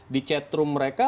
di chatroom mereka